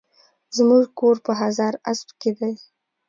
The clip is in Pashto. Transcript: زموکور په هزاراسپ کی دي